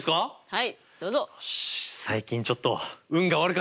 はい！